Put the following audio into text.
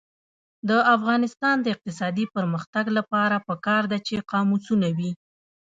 د افغانستان د اقتصادي پرمختګ لپاره پکار ده چې قاموسونه وي.